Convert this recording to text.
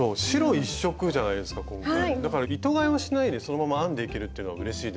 だから糸がえはしないでそのまま編んでいけるっていうのはうれしいですよね。